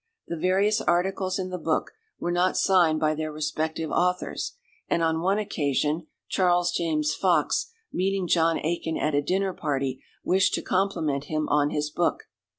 The various articles in the book were not signed by their respective authors, and on one occasion Charles James Fox, meeting John Aikin at a dinner party, wished to compliment him on his book.